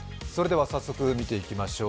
早速見ていきましょう。